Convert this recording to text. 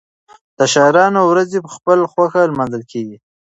د شاعرانو ورځې په خپله خوښه لمانځل کېږي.